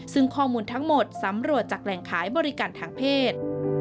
ซึ่งข้อมูลทั้งหมดสำรวจจากแหล่งขายบริการทางเพศ